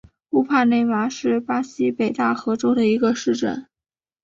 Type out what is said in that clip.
乌帕内马是巴西北大河州的一个市镇。